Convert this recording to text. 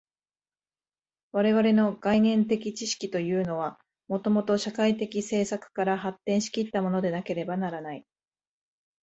我々の概念的知識というのは、もと社会的制作から発展し来ったものでなければならない。